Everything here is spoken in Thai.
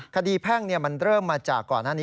แพ่งมันเริ่มมาจากก่อนหน้านี้